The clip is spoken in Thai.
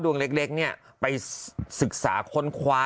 ดำเนินคดีต่อไปนั่นเองครับ